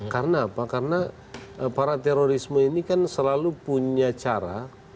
karena apa karena para terorisme ini kan selalu punya cara